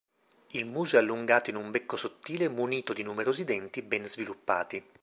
Il muso è allungato in un becco sottile munito di numerosi denti ben sviluppati.